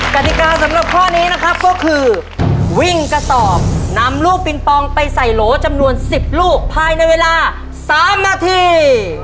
กฎิกาสำหรับข้อนี้นะครับก็คือวิ่งกระสอบนำลูกปิงปองไปใส่โหลจำนวน๑๐ลูกภายในเวลา๓นาที